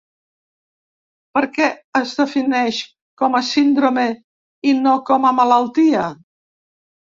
Per què es defineix com a síndrome i no com a malaltia?